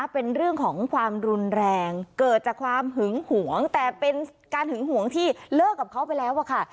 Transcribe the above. เป็นเรื่องของความรุนแรงเกิดจากความหึงหวงแต่เป็นการหึงหวงที่เลิกกับเขาไปแล้วอะค่ะ